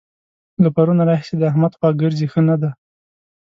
له پرونه راهسې د احمد خوا ګرځي؛ ښه نه دی.